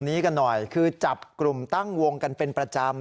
นี้กันหน่อยคือจับกลุ่มตั้งวงกันเป็นประจำ